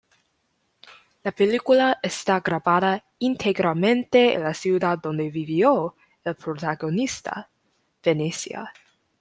La película está grabada íntegramente en la ciudad donde vivió el protagonista, Venecia.